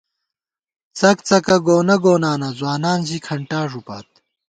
څک څکہ گونہ گونانہ ځوانان ژی کھنٹا ݫُپات